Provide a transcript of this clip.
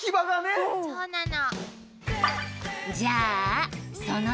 そうなの。